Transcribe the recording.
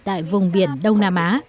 tại vùng biển đông nam á